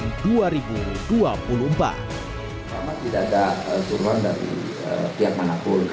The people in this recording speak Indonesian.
tidak ada suruhan dari pihak manapun